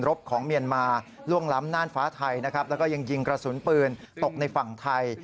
แล้วก็ยังยิงกระสุนปืนตกในฝั่งไทย